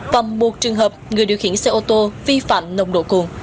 và một trường hợp người điều khiển xe ô tô vi phạm nồng độ cồn